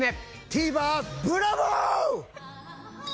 ＴＶｅｒブラボー！